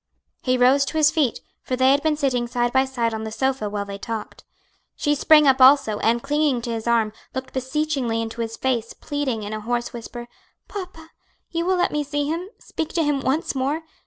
He rose to his feet, for they had been sitting side by side on the sofa while they talked. She sprang up also, and clinging to his arm, looked beseechingly into his face, pleading in a hoarse whisper, "Papa, you will let me see him, speak to him once more?